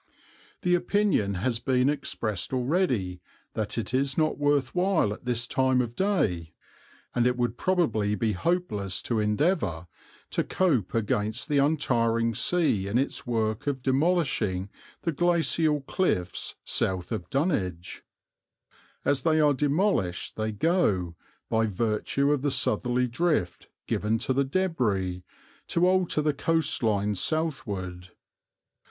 The opinion has been expressed already that it is not worth while at this time of day, and it would probably be hopeless to endeavour, to cope against the untiring sea in its work of demolishing the glacial cliffs south of Dunwich. As they are demolished they go, by virtue of the southerly drift given to the débris, to alter the coastline southward.